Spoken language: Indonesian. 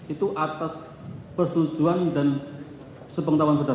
itu atas persetujuan dan sepengetahuan saudara